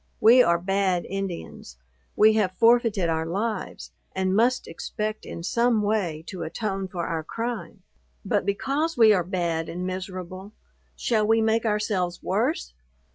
We are bad Indians. We have forfeited our lives, and must expect in some way to atone for our crime: but, because we are bad and miserable, shall we make ourselves worse?